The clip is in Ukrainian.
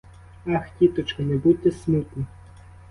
Ах, тіточко, не будьте смутні!